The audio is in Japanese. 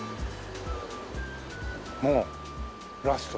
もう「ラスト！！」。